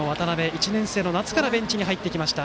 １年生の夏からベンチに入ってきました。